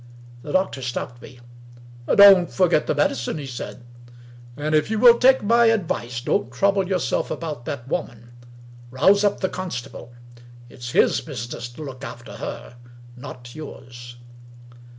The doctor stopped me. " Don't forget the medicine," he s^id. " And if you will take my advice, don't trouble yourself about that woman. Rouse up the constable. It's his business to look after her — not yours."